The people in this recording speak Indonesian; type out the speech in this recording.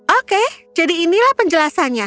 oke jadi inilah penjelasannya